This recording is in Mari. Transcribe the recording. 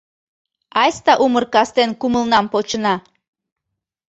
Айста умыр кастен Кумылнам почына.